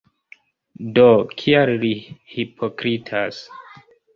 Do, kial li hipokritas?